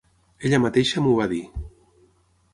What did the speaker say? Ella mateixa m'ho va dir.